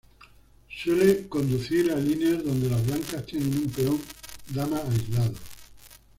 Suele conducir a líneas donde las blancas tienen un peón dama aislado.